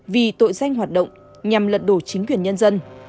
vì tội danh hoạt động nhằm lật đổ chính quyền nhân dân